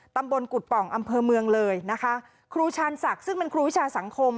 ตำบลกุฎป่องอำเภอเมืองเลยนะคะครูชาญศักดิ์ซึ่งเป็นครูวิชาสังคม